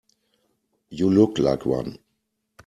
You look like one.